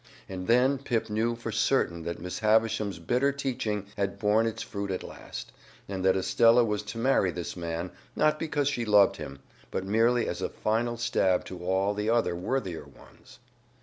And then Pip knew for certain that Miss Havisham's bitter teaching had borne its fruit at last, and that Estella was to marry this man, not because she loved him, but merely as a final stab to all the other worthier ones.